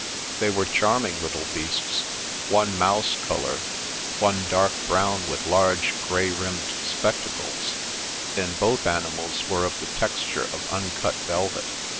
They were charming little beasts, one mouse colour, one dark brown with large» grey rimmed spectacles, and both animals were of the texture of uncut velvet.